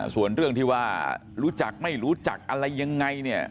ส่วนเรื่องที่ว่ารู้จักไม่รู้จักอะไรยังไงเนี่ย